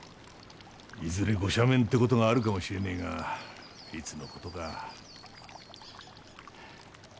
いずれご赦免って事があるかもしれねえがいつの事か。